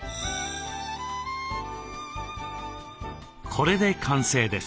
これで完成です。